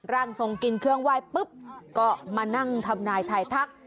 ร่างทรงกินเครื่องไหว้ปุ๊บก็มานั่งทำนายทายทัก